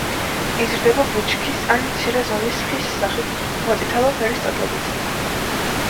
იზრდება ბუჩქის ან მცირე ზომის ხის სახით მოწითალო ფერის ტოტებით.